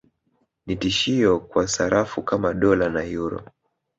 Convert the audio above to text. Ni tishio kwa sarafu kama Dola na Euro